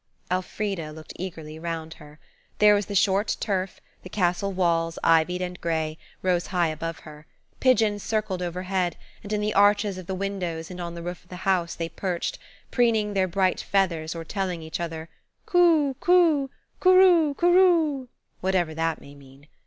'" Elfrida looked eagerly round her. There was the short turf; the castle walls, ivied and grey, rose high above her; pigeons circled overhead, and in the arches of the windows and on the roof of the house they perched, preening their bright feathers or telling each other, "Coo, coo; cooroo, cooroo," whatever that may mean.